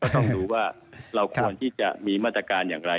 ต้องดูว่าเราควรที่จะมีมาตรการอย่างไร